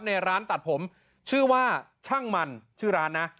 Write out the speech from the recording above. ร้านตัดผมชื่อว่าช่างมันชื่อร้านนะ